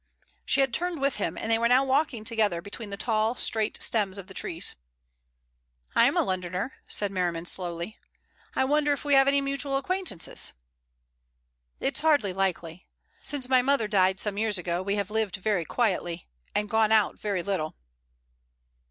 She had turned with him, and they were now walking together between the tall, straight stems of the trees. "I'm a Londoner," said Merriman slowly. "I wonder if we have any mutual acquaintances?" "It's hardly likely. Since my mother died some years ago we have lived very quietly, and gone out very little."